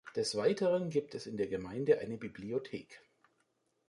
Des Weiteren gibt es in der Gemeinde eine Bibliothek.